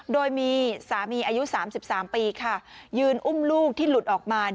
โดยมีสามีอายุ๓๓ปีค่ะยืนอุ้มลูกที่หลุดออกมา